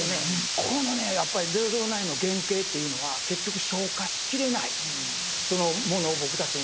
このね「００９」の原形というのは結局消化しきれないそのものを僕たちに残して。